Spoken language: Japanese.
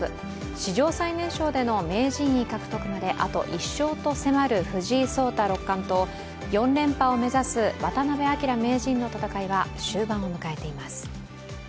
史上最年少での名人位獲得まであと１勝と迫る藤井聡太六冠と４連覇を目指す渡辺明名人の戦いは終盤を迎えています。